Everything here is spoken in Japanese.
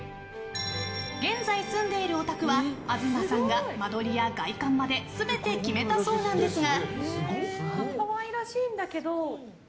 現在、住んでいるお宅は東さんが間取りや外観まで全て決めたそうなんですが。